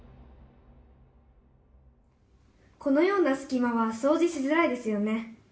「このようなすき間はそうじしづらいですよね。